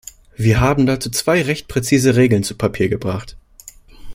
Wir haben dazu zwei recht präzise Regeln zu Papier gebracht.